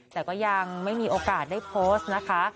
แต่ก็ยังไม่มีโอกาสได้โพสต์นะคะ